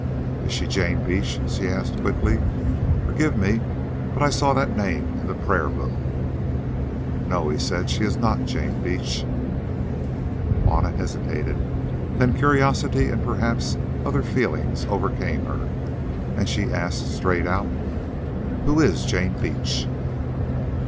"Is she Jane Beach?" she asked quickly. "Forgive me, but I saw that name in the prayer book." "No," he said, "she is not Jane Beach." Juanna hesitated; then curiosity and perhaps other feelings overcame her, and she asked straight out— "Who is Jane Beach?"